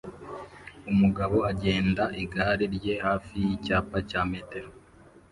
Umugabo agenda igare rye hafi yicyapa cya metero